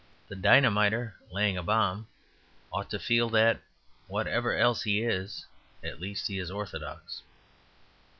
The dynamiter, laying a bomb, ought to feel that, whatever else he is, at least he is orthodox.